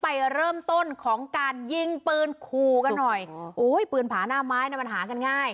ไปเริ่มต้นของการยิงปืนขู่กันหน่อยโอ้ยปืนผาหน้าไม้เนี่ยมันหากันง่าย